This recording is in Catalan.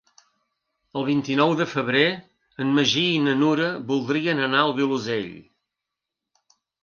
El vint-i-nou de febrer en Magí i na Nura voldrien anar al Vilosell.